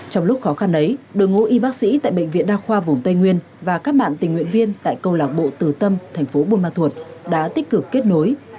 trong lúc khó khăn ấy đội ngũ y bác sĩ tại bệnh viện đa khoa vùng tây nguyên và các bạn tình nguyện viên tại công lạc bộ từ tâm thành phố buôn ma thuột đã tích cực kết nối